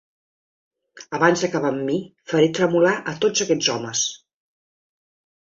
Abans d'acabar amb mi, faré tremolar a tots aquests homes.